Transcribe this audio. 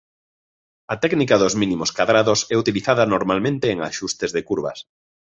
A técnica dos mínimos cadrados é utilizada normalmente en axustes de curvas.